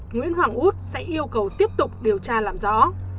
nguyễn hoàng út sẽ yêu cầu tiếp tục điều tra làm rõ